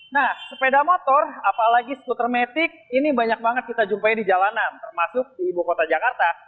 nah sepeda motor apalagi skuter metik ini banyak banget kita jumpai di jalanan termasuk di ibu kota jakarta